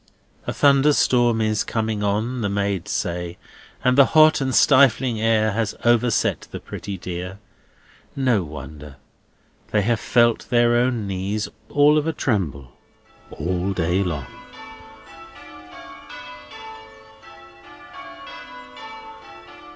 A thunderstorm is coming on, the maids say, and the hot and stifling air has overset the pretty dear: no wonder; they have felt their own knees all of a tremble all day long.